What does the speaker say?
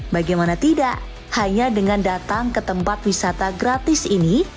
bagaimana tidak hanya dengan datang ke tempat wisata gratis ini